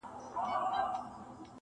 نر او ښځو به نارې وهلې خدایه-